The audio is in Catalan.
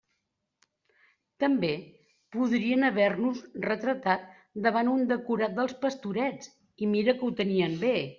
També podrien haver-nos retratat davant un decorat dels Pastorets, i mira que ho tenien bé.